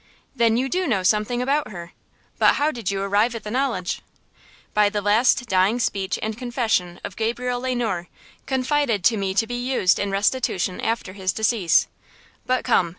"Then you do know something about her, but how did you arrive at the knowledge?" "By the 'last dying speech and confession' of Gabriel Le Noir, confided to me to be used in restitution after his decease. But come!